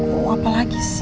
gue mau apa lagi sih